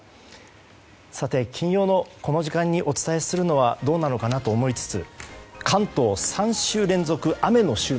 金曜のこの時間にお伝えするのはどうなのかなと思いつつ。